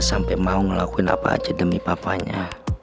sampai mau ngelakuin apa aja demi papanya